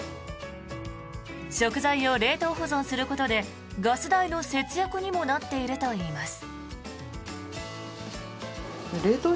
食材を冷凍保存することでガス代の節約にもなっているといいます。